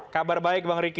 kabar baik bang riki